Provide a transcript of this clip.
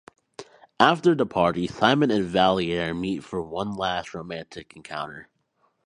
After the party, Simon and Vallier meet for one last romantic encounter.